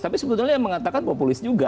tapi sebetulnya yang mengatakan populis juga